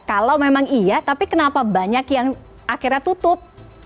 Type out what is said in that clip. kalau memang iya tapi kenapa banyak yang akhirnya tutup